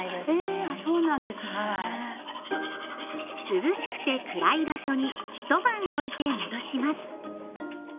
涼しくて暗い場所にひと晩おいて戻します。